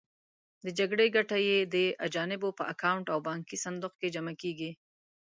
د جګړې ګټه یې د اجانبو په اکاونټ او بانکي صندوق کې جمع کېږي.